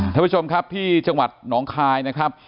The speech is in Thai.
ท่านผู้ชมครับที่จังหวัดหนองคายนะครับ